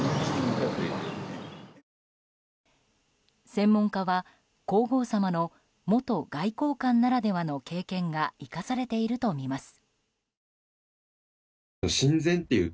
専門家は、皇后さまの元外交官ならではの経験が生かされていると見ます。